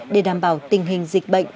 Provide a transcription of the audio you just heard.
để đảm bảo tình hình dịch bệnh